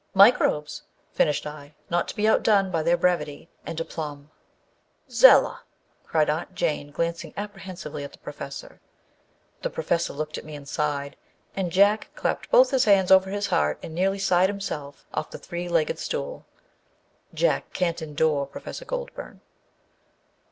" Microbes/' finished I, not to be outdone by their brevity and aplomb. " Zella !" cried Aunt Jane, glancing apprehensively at the Professor. The Professor looked at me and sighed, and Jack clapped both hands over his heart and nearly sighed himself off the three legged stool. Jack can't endure Professor Goldburn.